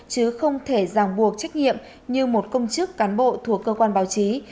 chứ không thể ràng buộc trách nhiệm như một công chức cán bộ thuộc cơ quan báo chí